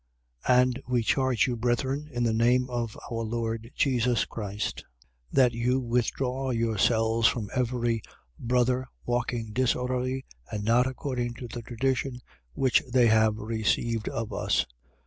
3:6. And we charge you, brethren, in the name of our Lord Jesus Christ, that you withdraw yourselves from every brother walking disorderly and not according to the tradition which they have received of us.